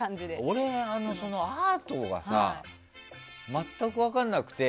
俺、アートが全く分からなくて。